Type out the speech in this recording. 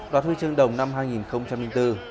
đoạt huy chương đồng năm hai nghìn bốn